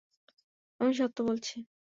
আমি সত্য বলছি।